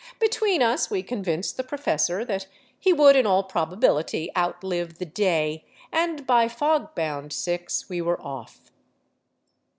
Between us we con vinced the professor that he would in all probability outlive the day, and by fog bound six we were off.